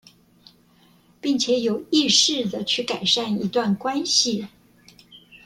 並且有意識地去改善一段關係